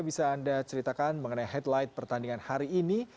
bisa anda ceritakan mengenai headline pertandingan hari ini